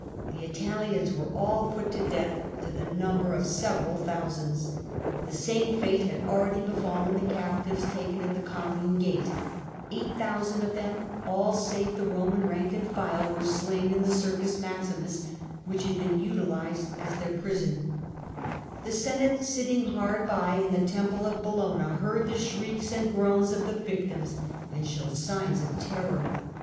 The Italians were all put to death to the CAPTURE OE PRAENESTE 145 number of several thousands. The same fate had already befallen the captives taken at the Colline gate; 8000 of them — all save the Roman rank and file — were slain in the Circus Maximus, which had been utilised as their prison The Senate, sitting hard by in the Temple of Bellona, heard the groans and shrieks of the victims, and showed signs of terror.